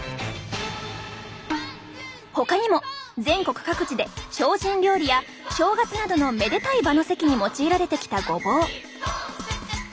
ほかにも全国各地で精進料理や正月などのめでたい場の席に用いられてきたごぼう。